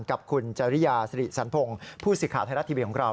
กับคุณจริยาสิริสันพงศ์ผู้สื่อข่าวไทยรัฐทีวีของเรา